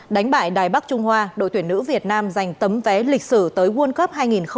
đánh bại đài bắc trung hoa đội tuyển nữ việt nam giành tấm vé lịch sử tới world cup hai nghìn hai mươi